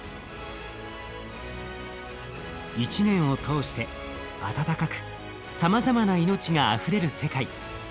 一年を通して暖かくさまざまな命があふれる世界。